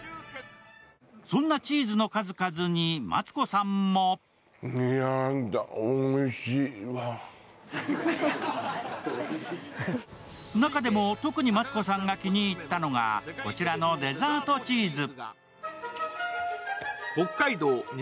そんなチーズの数々にマツコさんも中でも特にマツコさんが気に入ったのが、こちらのデザートチーズ。